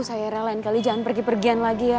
saya rela lain kali jangan pergi pergian lagi ya